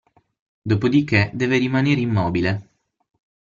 Dopodiché deve rimanere immobile.